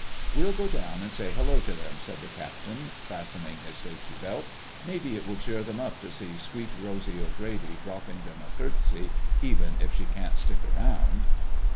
"We'll go down and say hello to them," said the captain, fastening his safety belt. "Maybe it will cheer them up to see Sweet Rosy O'Grady dropping them a curtsy, even if she can't stick around."